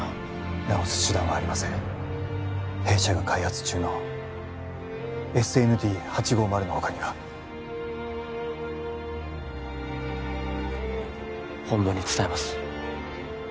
治す手段はありません弊社が開発中のＳＮＤ８５０の他には本部に伝えます